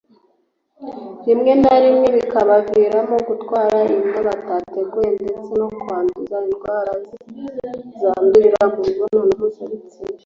rimwe na rimwe bikabaviramo gutwara inda batateguye ndetse no kwandura zimwe mu ndwara zandurira mu mibonano mpuzabitsina